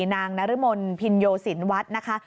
นางนรมนพินโยสินวัดนะคะ